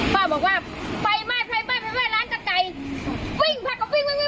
พ่อบอกว่าไฟไหม้ไฟไหม้ไฟไหม้ร้านจะไก่